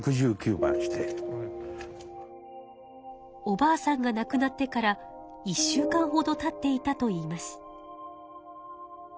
おばあさんがなくなってから１週間ほどたっていたといいます。